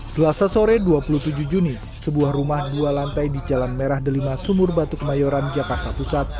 selasa sore dua puluh tujuh juni sebuah rumah dua lantai di jalan merah delima sumur batu kemayoran jakarta pusat